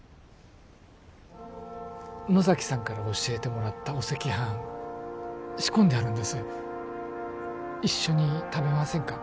野崎さんから教えてもらったお赤飯仕込んであるんです一緒に食べませんか？